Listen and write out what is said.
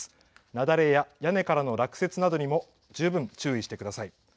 雪崩や屋根からの落雪なども十分注意してください。